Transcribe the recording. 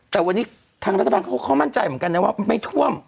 แต่วันนี้ทางรัฐบาลเขาก็มั่นใจเหมือนกันนะว่าไม่ท่วม